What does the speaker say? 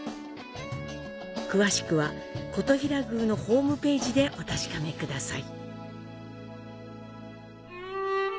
詳しくは金刀比羅宮のホームページでお確かめください。